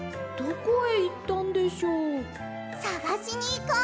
さがしにいこう！